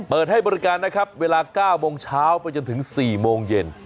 เปิดให้บริการนะครับเวลา๙โมงเช้าไปจนถึง๔โมงเย็น